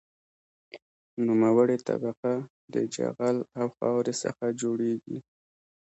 نوموړې طبقه د جغل او خاورې څخه جوړیږي